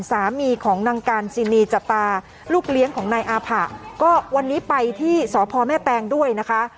สามีของนางการซินีจตาลูกเลี้ยงของนายอาผะก็วันนี้ไปที่สพแม่แตงด้วยนะคะ